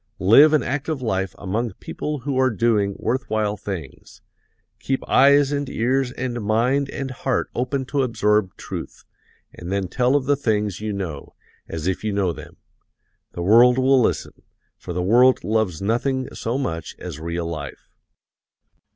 Live an active life among people who are doing worth while things, keep eyes and ears and mind and heart open to absorb truth, and then tell of the things you know, as if you know them. The world will listen, for the world loves nothing so much as real life.